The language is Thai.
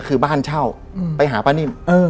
คือบ้านเช่าไปหาป้านิ่ม